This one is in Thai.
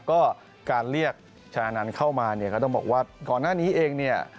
ก็การเรียกชานันต์เข้ามาเนี่ยก็ต้องบอกว่าก่อนหน้านี้เองเนี่ย